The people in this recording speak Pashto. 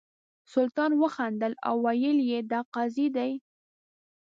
سلطان وخندل او ویل یې دا قاضي دی.